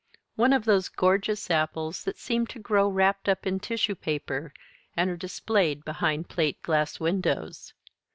One of those gorgeous apples that seem to grow wrapped up in tissue paper, and are displayed behind plate glass windows.